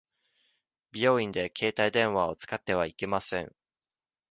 病院で携帯電話を使ってはいけません。